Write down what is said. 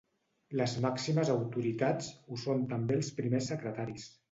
Les màximes autoritats ho són també els Primers Secretaris.